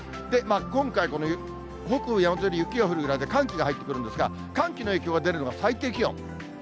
今回、この北部山沿いで雪が降るぐらい、寒気が入ってくるんですが、寒気の影響が出るのが最低気温。